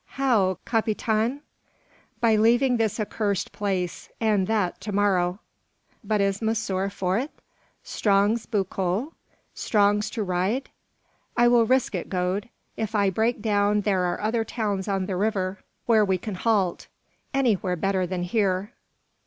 How, capitaine?" "By leaving this accursed place, and that to morrow." "But is monsieur fort? strongs beau coup? strongs to ride?" "I will risk it, Gode. If I break down, there are other towns on the river where we can halt. Anywhere better than here."